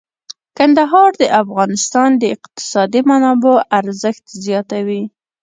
کندهار د افغانستان د اقتصادي منابعو ارزښت زیاتوي.